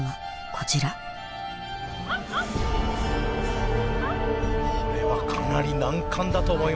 こちらこれはかなり難関だと思います。